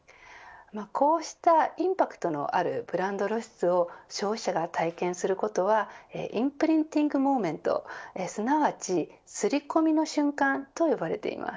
こうしたインパクトのあるブランド露出を消費者が体験することはインプリンティング・モーメントすなわち刷り込みの瞬間とよばれています。